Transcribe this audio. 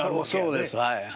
そうですはい。